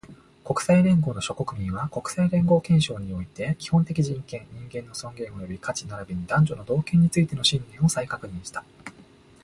国際連合の諸国民は、国際連合憲章において、基本的人権、人間の尊厳及び価値並びに男女の同権についての信念を再確認した